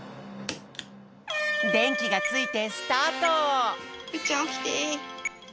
でんきがついてスタート！